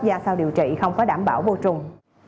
ra sau điều trị không có đảm bảo vô trùng